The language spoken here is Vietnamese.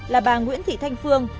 là bà nguyễn thị thanh phương